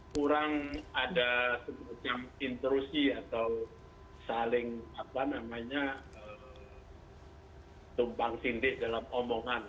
kurang ada semacam interusi atau saling tumpang sindik dalam omongan